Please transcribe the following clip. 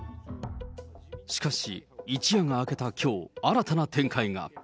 しかし、一夜が明けたきょう、新たな展開が。